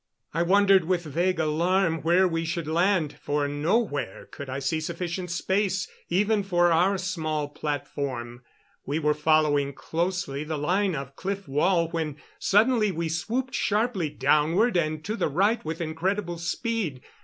I wondered with vague alarm where we should land, for nowhere could I see sufficient space, even for our small platform. We were following closely the line of cliff wall when suddenly we swooped sharply downward and to the right with incredible speed.